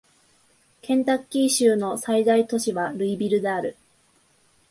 ケンタッキー州の最大都市はルイビルである